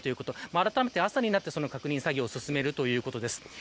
あらためて、朝になって確認作業を進めるということです。